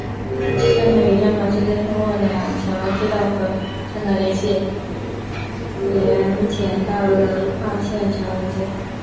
站场与站房之间通过两条地道和站台联接联检大楼的跨线桥连接。